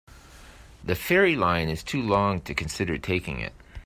The ferry line is too long to consider taking it.